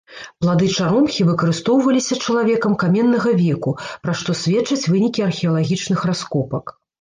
Плады чаромхі выкарыстоўваліся чалавекам каменнага веку, пра што сведчаць вынікі археалагічных раскопак.